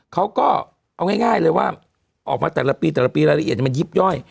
เขาก็เอาง่ายเลยว่าออกมาแต่ละปีแต่ละปีรายละเอียดมันยิบย่อย